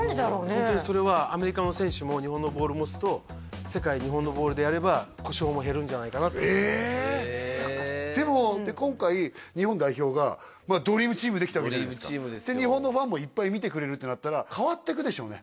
ホントにそれはアメリカの選手も日本のボール持つと世界日本のボールでやれば故障も減るんじゃないかなってええでも今回日本代表がドリームチームできたわけじゃないですかで日本のファンもいっぱい見てくれるってなったら変わってくでしょうね